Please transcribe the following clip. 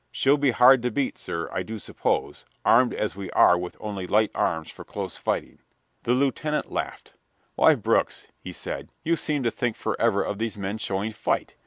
She'll be hard to beat, sir, I do suppose, armed as we are with only light arms for close fighting." The lieutenant laughed. "Why, Brookes," he said, "you seem to think forever of these men showing fight.